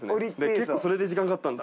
結構それで時間かかったんだ。